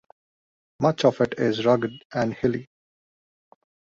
Much of it is rugged and hilly.